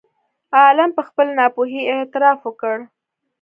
عالم په خپلې ناپوهۍ اعتراف وکړ.